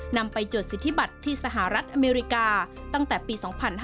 นำไปจดสิทธิบัติที่สหรัฐอเมริกาตั้งแต่ปี๒๕๕๙